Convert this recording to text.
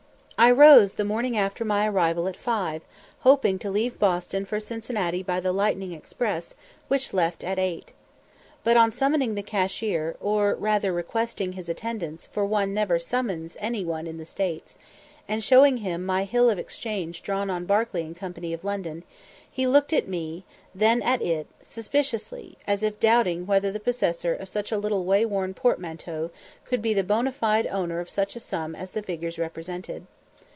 I rose the morning after my arrival at five, hoping to leave Boston for Cincinnati by the Lightning Express, which left at eight. But on summoning the cashier (or rather requesting his attendance, for one never summons any one in the States), and showing him my hill of exchange drawn on Barclay and Company of London, he looked at me, then at it, suspiciously, as if doubting whether the possessor of such a little wayworn portmanteau could he the bonâ fide owner of such a sum as the figures represented.